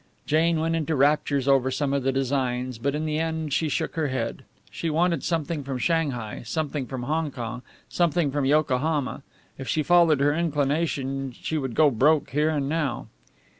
Jane went into raptures over some of the designs, but in the end she shook her head. She wanted something from Shanghai, something from Hong Kong, something from Yokohama. If she followed her inclination she would go broke here and now.